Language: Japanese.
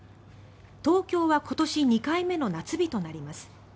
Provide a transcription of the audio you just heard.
東京は今年２回目の夏日となります。